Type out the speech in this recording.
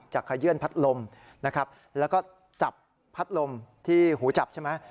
ขยื่นพัดลมนะครับแล้วก็จับพัดลมที่หูจับใช่ไหม